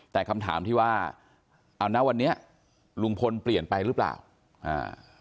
แต่คำถามที่ว่าเอานะวันนี้ลุงพลเปลี่ยนไปหรือเปล่าอ่า